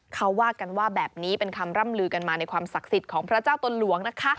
เขาว่ากันว่าแบบนี้เป็นคำร่ำลือกันมาในความศักดิ์สิทธิ์ของพระเจ้าตนหลวงนะคะ